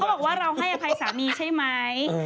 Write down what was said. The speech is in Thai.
บอกว่าเราให้อภัยสามีใช่ไหม